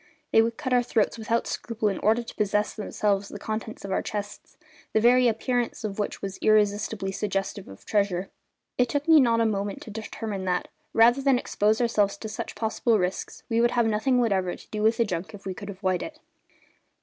They would cut our throats without scruple in order to possess themselves of the contents of our chests, the very appearance of which was irresistibly suggestive of treasure. It took me not a moment to determine that, rather than expose ourselves to such possible risks, we would have nothing whatever to do with the junk if we could avoid it.